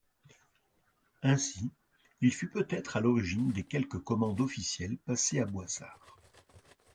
Ainsi, il fut peut être à l'origine des quelques commandes officielles passées à Boissard.